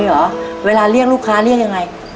เหรอเวลาเรียกลูกค้าเรียกยังไง